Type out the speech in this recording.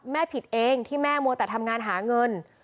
ผิดเองที่แม่มัวแต่ทำงานหาเงิน